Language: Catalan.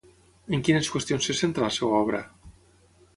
En quines qüestions es centra la seva obra?